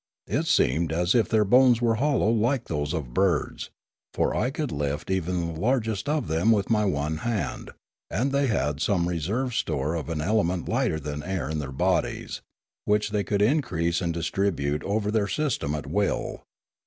It seemed as if their bones were hollow like those of birds; for I could lift even the largest of them with my one hand ; and they had some reserve store of an element lighter than air in their bodies, which they could increase and dis tribute over their system at will.